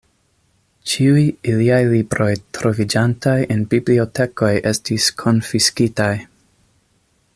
Ĉiuj liaj libroj troviĝantaj en bibliotekoj estis konfiskitaj.